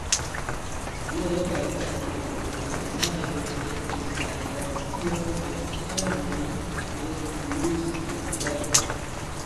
Liaj karikaturoj, desegnaĵoj sekvis la tradicion de Henri de Toulouse-Lautrec.